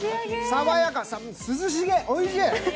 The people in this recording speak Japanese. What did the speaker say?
爽やか、涼しげ、おいしい。